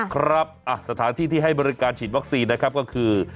ครับสถานที่ที่ให้บริการฉีดวัคซีนนะครับก็คือ